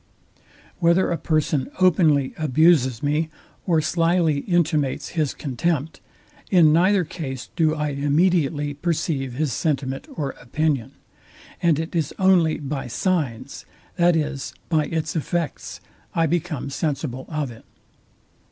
Whether a person openly, abuses me, or slyly intimates his contempt, in neither case do I immediately perceive his sentiment or opinion; and it is only by signs, that is, by its effects, I become sensible of it.